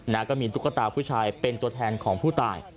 ก็มีตุ๊กตาผู้ชายเป็นตัวแทนของผู้ตาย